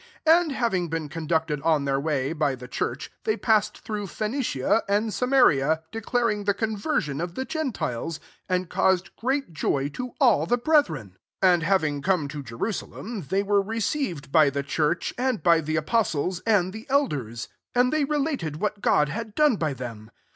3 And, having been conducted on their way by the church, they passed through Phenicia and Samaria, declar ing the conversion of the gen tiles; and caused great joy to all the brethren. 4 And having come to Jerusalem, they were received by the church, and by the apostles, and the elders; and they related what God had done by them.